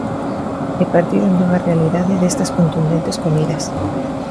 E partiron dunha realidade destas contundentes comidas.